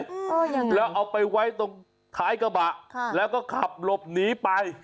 อย่างนี้แล้วเอาไปไว้ตรงท้ายกระบะค่ะแล้วก็ขับหลบหนีไป